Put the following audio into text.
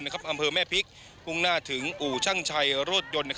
อำเภอแม่พริกมุ่งหน้าถึงอู่ช่างชัยรถยนต์